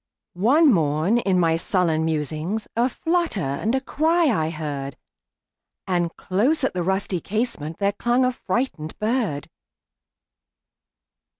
One morn, in my sullen musings,A flutter and cry I heard; And close at the rusty casementThere clung a frightened bird.